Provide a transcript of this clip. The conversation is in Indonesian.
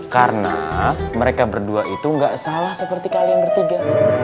karena mereka berdua itu gak salah seperti kalian bertiga